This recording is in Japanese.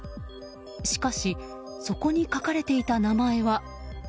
しかしそこに書かれていた名前は。